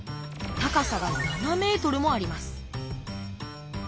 高さが７ｍもあります